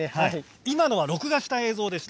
今のは録画した映像でした。